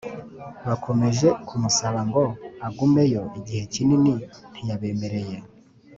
bakomeje kumusaba ngo agumeyo igihe kinini ntiyabemereye